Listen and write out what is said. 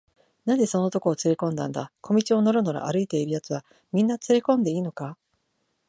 「なぜその男をつれこんだんだ？小路をのろのろ歩いているやつは、みんなつれこんでいいのか？」